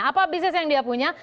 apa bisnis yang dia punya